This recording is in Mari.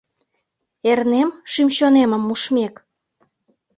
Эрнем, шӱм-чонемым мушмек?